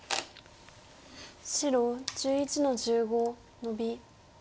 白１１の十五ノビ。